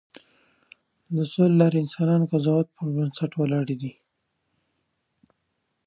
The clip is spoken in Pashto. د سولې لارې د انسانانه قضاوت پر بنسټ ولاړې دي.